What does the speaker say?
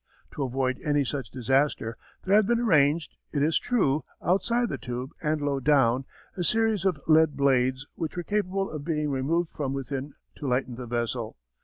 To avoid any such disaster there have been arranged, it is true, outside the tube and low down, a series of lead blades which were capable of being removed from within to lighten the vessel.